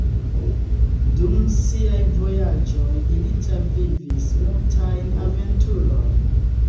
Dum siaj vojaĝoj ili travivis multajn aventurojn.